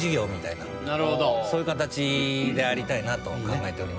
そういう形でありたいなと考えております。